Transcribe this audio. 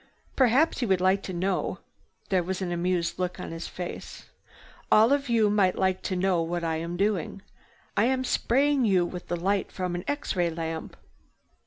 "Perhaps you would like to know—" there was an amused look on his face. "All of you might like to know what I am doing. I am spraying you with the light from an X ray lamp.